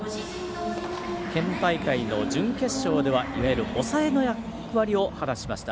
県大会の準決勝ではいわゆる抑えの役割を果たしました。